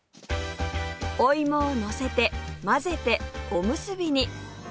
お芋をのせて混ぜておむすびに